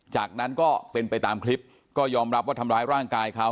จากนั้นก็เป็นไปตามคลิปก็ยอมรับว่าทำร้ายร่างกายเขา